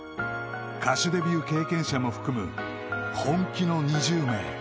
［歌手デビュー経験者も含む本気の２０名］